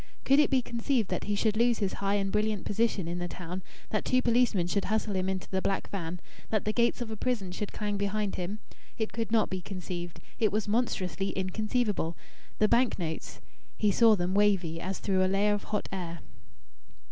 Could it be conceived that he should lose his high and brilliant position in the town, that two policemen should hustle him into the black van, that the gates of a prison should clang behind him? It could not be conceived. It was monstrously inconceivable.... The bank notes ... he saw them wavy, as through a layer of hot air.